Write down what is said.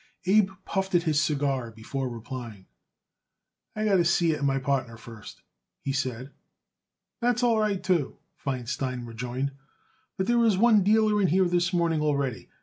Abe puffed at his cigar before replying. "I got to see it my partner first," he said. "That's all right, too," Feinstein rejoined; "but there was one dealer in here this morning already.